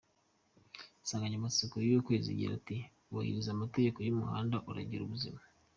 Insanganyamatsiko y’uku kwezi igira iti: “ Ubahiriza amategeko y’umuhanda, urengere ubuzima.